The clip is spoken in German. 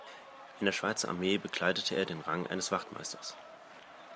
In der Schweizer Armee bekleidete er den Rang eines Wachtmeisters.